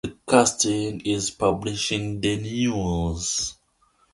Tommy Baxter captained the side against Newcastle.